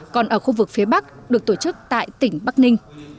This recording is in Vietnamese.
còn ở khu vực phía bắc được tổ chức tại tỉnh bắc ninh